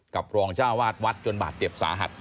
กับรองเจ้าวาดวัดจนบาดเจ็บสาหัส